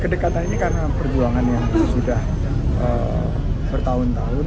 kedekatan ini karena perjuangan yang sudah bertahun tahun